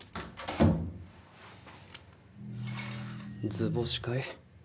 図星かい？